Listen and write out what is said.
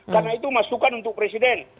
karena itu masukan untuk presiden